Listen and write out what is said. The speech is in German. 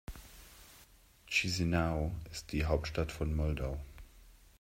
Chișinău ist die Hauptstadt von Moldau.